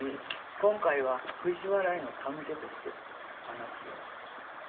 今回は藤原への手向けとして話してやる。